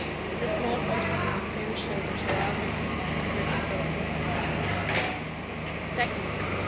The small forces of the Spanish soldiers were augmented by hun dreds of Filipino allies. Second.